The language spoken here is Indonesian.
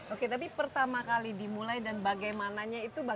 oke tapi pertama kali dimulai dan bagaimana